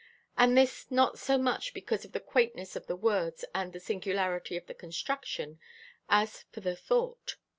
And this not so much because of the quaintness of the words and the singularity of the construction, as for the thought.